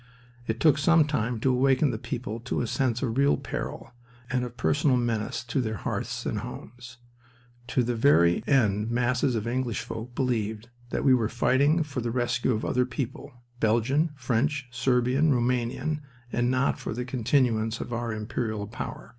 It took some time to awaken the people to a sense of real peril and of personal menace to their hearths and homes. To the very end masses of English folk believed that we were fighting for the rescue of other peoples Belgian, French, Serbian, Rumanian and not for the continuance of our imperial power.